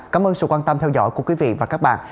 cảm ơn sự quan tâm theo dõi của quý vị và các bạn